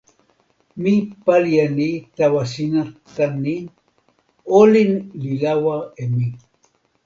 mi pali e ni tawa sina tan ni: olin li lawa e mi.